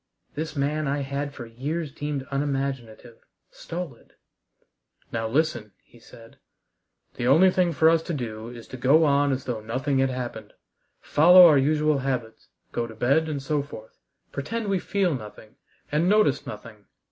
This man I had for years deemed unimaginative, stolid! "Now listen," he said. "The only thing for us to do is to go on as though nothing had happened, follow our usual habits, go to bed, and so forth; pretend we feel nothing and notice nothing.